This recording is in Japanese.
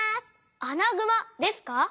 アナグマですか？